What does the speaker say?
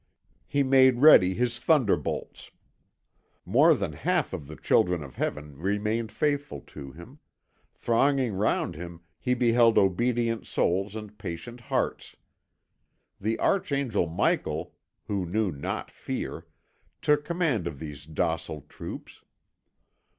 He made ready his thunderbolts. More than half of the children of Heaven remained faithful to him; thronging round him he beheld obedient souls and patient hearts. The Archangel Michael, who knew not fear, took command of these docile troops.